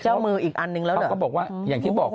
เจ้ามืออีกอันนึงแล้วเขาก็บอกว่าอย่างที่บอก